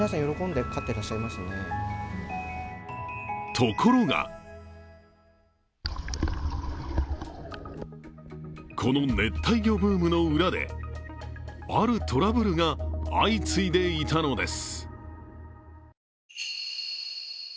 ところがこの熱帯魚ブームの裏で、あるトラブルが相次いでいたのです。